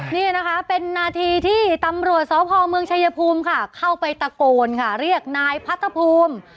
นี่นะคะเป็นนาทีที่ตำรวจสพเมืองชายภูมิค่ะเข้าไปตะโกนค่ะเรียกนายพัทธภูมิ